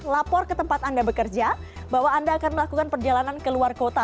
lapor ke tempat anda bekerja bahwa anda akan melakukan perjalanan ke luar kota